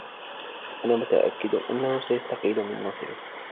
أنا متأكد أنه سيستقيل من منصبه.